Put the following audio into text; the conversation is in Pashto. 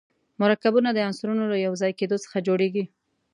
مرکبونه د عنصرونو له یو ځای کېدو څخه جوړیږي.